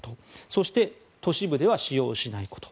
そして、都市部では使用しないこと。